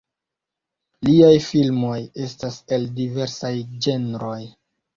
Liaj filmoj estas el diversaj ĝenroj.